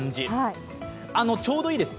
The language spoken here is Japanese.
ちょうどいいです。